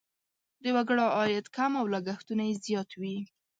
د وګړو عاید کم او لګښتونه یې زیات وي.